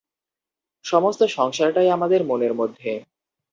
সমস্ত সংসারটাই আমাদের মনের মধ্যে।